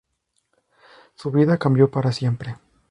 Su vida cambió para siempre.